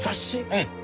うん。